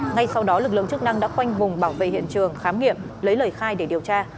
ngay sau đó lực lượng chức năng đã khoanh vùng bảo vệ hiện trường khám nghiệm lấy lời khai để điều tra